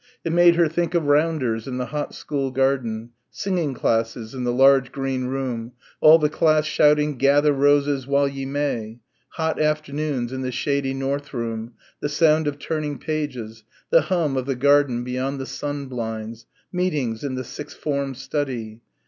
It made her think of rounders in the hot school garden, singing classes in the large green room, all the class shouting "Gather _ro_ses while ye may," hot afternoons in the shady north room, the sound of turning pages, the hum of the garden beyond the sun blinds, meetings in the sixth form study....